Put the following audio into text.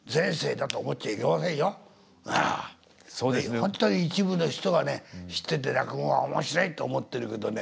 本当に一部の人がね知ってて落語は面白いって思ってるけどね